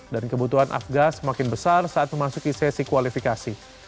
dan kebutuhan afgas semakin besar saat memasuki sesi kualifikasi